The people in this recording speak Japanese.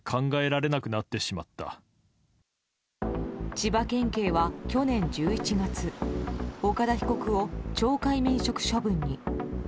千葉県警は去年１１月岡田被告を懲戒免職処分に。